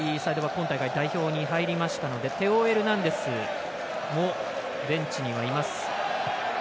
今回から代表に入りましたのでテオ・エルナンデスもベンチにはいます。